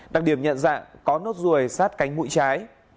đặc điểm nhận dạng có nốt ruồi sát cánh mũi trái